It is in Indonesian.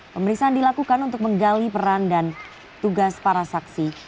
pemeriksaan dilakukan untuk menggali peran dan tugas para saksi